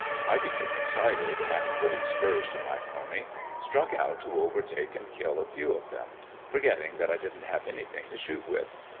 I became excited and putting spurs to my pony, struck out to overtake and kill a few of them, forgetting that I didn't have anything to shoot with.